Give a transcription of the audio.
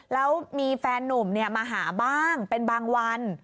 แล้วมีแฟนนุ่มมาหาบ้างเป็นบางวัน